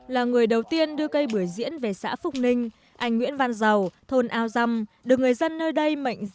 là người đầu tiên đưa cây bưởi diễn về xã phúc ninh anh nguyễn văn giàu thôn ao dăm được người dân nơi đây mệnh giá